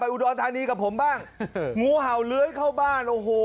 อุดรธานีกับผมบ้างงูเห่าเลื้อยเข้าบ้านโอ้โห